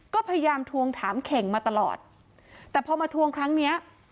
ก็พยายามทวงถามเข่งมาตลอดแต่พอมาทวงครั้งเนี้ย